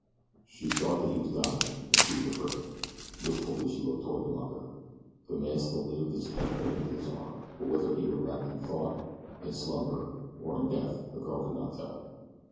She thought that he was dying, and she was afraid. Wistfully she looked toward the mucker. The man still lay with his head buried in his arm, but whether he were wrapped in thought, in slumber, or in death the girl could not tell.